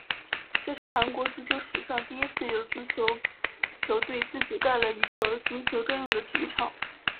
这是韩国足球史上第一次有足球球队自己盖了一个足球专用的体育场。